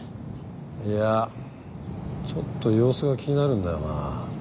いやちょっと様子が気になるんだよな